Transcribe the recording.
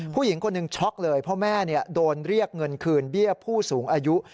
ผู้หญิงคนหนึ่งช็อกเลยเพราะแม่โดนเรียกเงินคืนเบี้ยผู้สูงอายุ